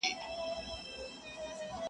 چي عبرت سي بل نا اهله او ګمراه ته,